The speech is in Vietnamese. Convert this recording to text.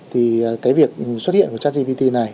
thì cái việc xuất hiện của chatgpt này